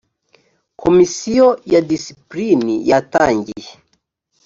komisiyo ya disipulini yatangiye